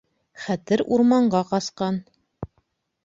ХӘТЕР УРМАНҒА ҠАСҠАН